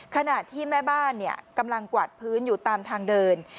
ขณะที่แม่บ้านกำลังกวาดพื้นอยู่ตามทางเดิน